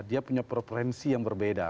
dia punya preferensi yang berbeda